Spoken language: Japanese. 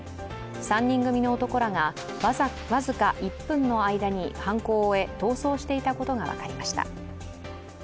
３人組の男らが僅か１分の間に犯行を終え、逃走していたことが分かりました。